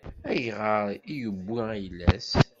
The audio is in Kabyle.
Ayɣer i yewwi ayla-s?